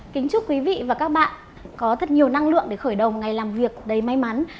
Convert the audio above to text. kính chúc quý vị và các bạn có thật nhiều năng lượng để khởi đầu ngày làm việc đầy may mắn